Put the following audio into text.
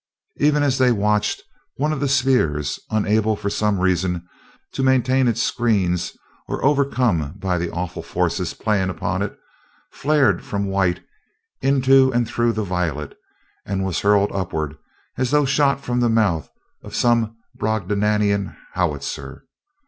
Even as they watched, one of the spheres, unable for some reason to maintain its screens or overcome by the awful forces playing upon it, flared from white into and through the violet and was hurled upward as though shot from the mouth of some Brobdingnagian howitzer.